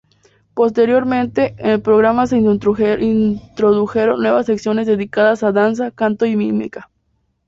Posteriormente, en el programa se introdujeron nuevas secciones dedicadas a danza, canto y mímica.